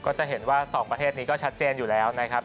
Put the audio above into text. ก็จะเห็นว่า๒ประเทศนี้ก็ชัดเจนอยู่แล้วนะครับ